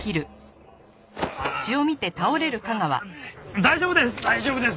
大丈夫です！